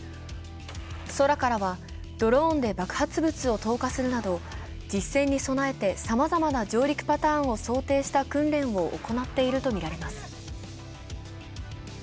空からはドローンで爆発物を投下するなど、実戦に備えてさまざまな上陸パターンを想定した訓練を行っているとみられます。